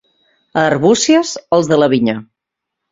A Arbúcies, els de la vinya.